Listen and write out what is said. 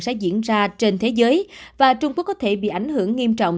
sẽ diễn ra trên thế giới và trung quốc có thể bị ảnh hưởng nghiêm trọng